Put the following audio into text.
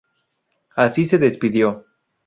Así se despidió.